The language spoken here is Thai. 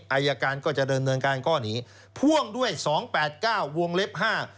อายการก็จะดำเนินการข้อนี้พ่วงด้วยสองแปดเก้าวงเล็บห้า